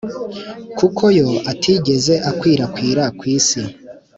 kuko yo atigeze akwirakwira ku isi